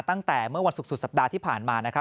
ตั้งแต่เมื่อวันศุกร์สุดสัปดาห์ที่ผ่านมานะครับ